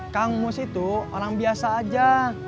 kang mus itu orang biasa aja